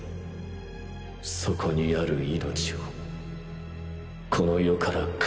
そこにある命をこの世から駆逐するまで。